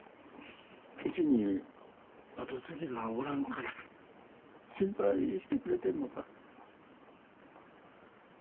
うちに後継ぎがおらんから心配してくれてんのか？